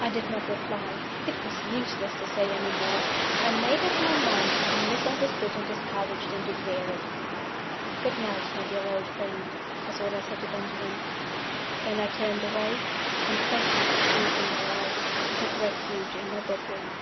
I did not reply. It was useless to say any more. I made up my mind to be misunderstood and discouraged, and to bear it. "Good night, my dear old friend," was all I said to Benjamin. Then I turned away I confess with the tears in my eyes and took refuge in my bedroom.